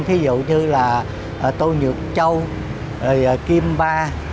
thí dụ như là tô nhược châu kim ba